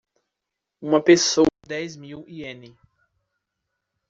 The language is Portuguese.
Uma pessoa dez mil iene